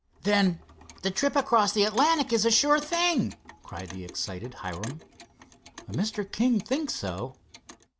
"Then the trip across the Atlantic is a sure thing!" cried the excited Hiram. "Mr. King thinks so."